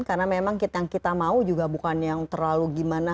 karena memang yang kita mau juga bukan yang terlalu gimana